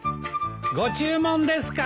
ご注文ですか？